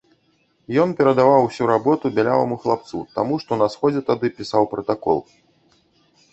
Ён перадаваў усю работу бяляваму хлапцу, таму, што на сходзе тады пісаў пратакол.